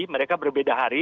mereka berbeda hari